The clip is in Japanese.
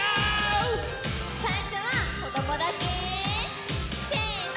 さいしょはこどもだけ！せの！